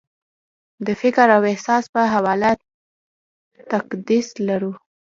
د فکر او احساس په حواله تقدس لرلو